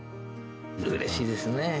うれしいですね。